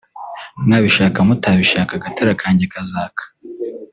Mwabishaka mutabishaka agatara kanjye kazaka